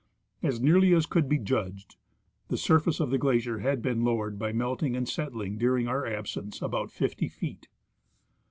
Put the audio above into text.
As nearly as could be judged, the surface of the glacier had been lowered by melting and settling during our absence about fifty feet.